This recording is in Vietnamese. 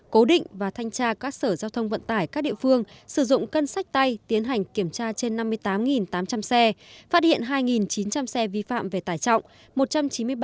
cố định và thanh tra các sở giao thông vận tải các địa phương sử dụng cân sách tay tiến hành kiểm tra trên năm mươi tám tám trăm linh xe phát hiện hai chín trăm linh xe vi phạm về tải trọng